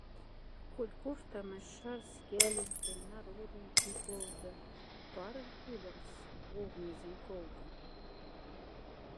Коль корхтамась шарсь кяленьконь, народоньконь колга, пароль кулемс вов мезень колга.